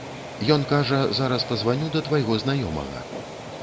Ён кажа, зараз пазваню да твайго знаёмага.